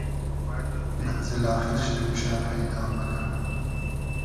مئنزیل آخیر شی موشۂ پݷدا مئگئم